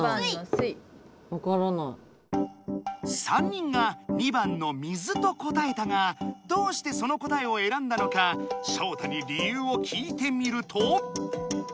３人が２番の「水」と答えたがどうしてその答えをえらんだのかショウタに理由を聞いてみると。